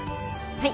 はい。